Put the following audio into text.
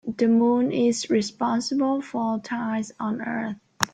The moon is responsible for tides on earth.